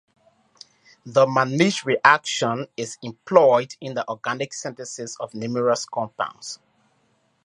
The Mannich-Reaction is employed in the organic synthesis of numerous compounds.